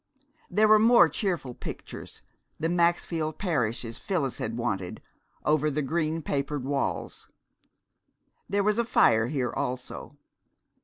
There were more cheerful pictures, the Maxfield Parrishes Phyllis had wanted, over the green papered walls. There was a fire here also.